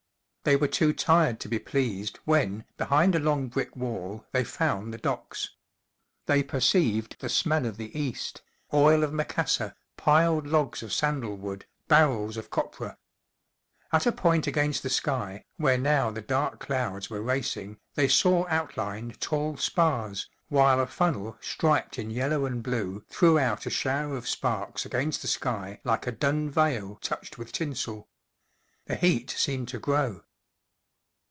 They were too tired to be pleased when, behind a long brick wall, they found the docks. They perceived the smell of the East, oil of macassar, piled logs of san¬ dal wood, barrels of copra ; at a point against the sky, where now the dark clouds were racing, they saw outlined tall spaxs r while a funnel striped in yellow and blue threw out a shower of sparks against the sky like a dun veil touched with tinsel. The heat seemed to grow.